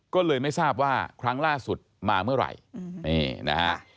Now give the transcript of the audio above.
ก็เลยไม่ทราบว่าครั้งล่าสุดมาเมื่อไหร่นี่นะฮะ